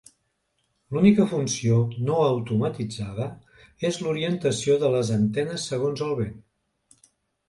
L'única funció no automatitzada és l'orientació de les antenes segons el vent.